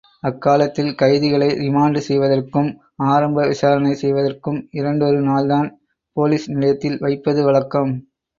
அக்காலத்தில் கைதிகளை ரிமாண்டு செய்வதற்கும் ஆரம்ப விசாரனை செய்வதற்கும் இரண்டொரு நாள்தான் போலிஸ் நிலையத்தில் வைப்பது வழக்கம்.